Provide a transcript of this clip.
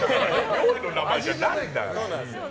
料理の名前じゃないから。